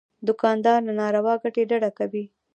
دوکاندار له ناروا ګټې ډډه کوي.